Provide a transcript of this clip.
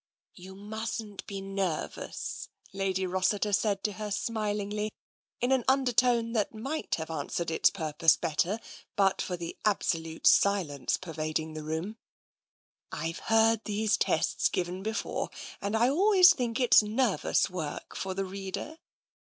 128 TENSION " You mustn't be nervous/* Lady Rossiter said to her smilingly, in an undertone that might have an swered its purpose better but for the absolute silence pervading the room. " I've heard these tests given before, and I always think it's nervous work for the reader.